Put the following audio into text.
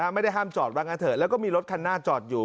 ไม่ได้ห้ามจอดว่างั้นเถอะแล้วก็มีรถคันหน้าจอดอยู่